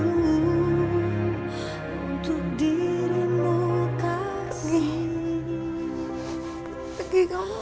untuk dirimu kasih